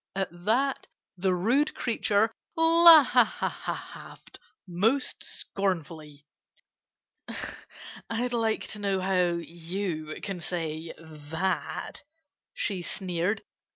At that the rude creature laughed most scornfully. "I'd like to know how you can say that," she sneered.